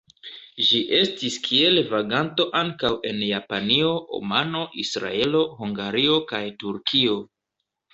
Ĝi estis kiel vaganto ankaŭ en Japanio, Omano, Israelo, Hungario kaj Turkio.